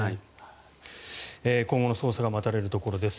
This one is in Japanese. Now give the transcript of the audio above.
今後の捜査が待たれるところです。